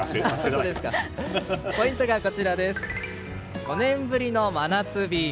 ポイントが５年ぶりの真夏日。